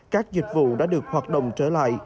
các dịch vụ đã được hoạt động trở lại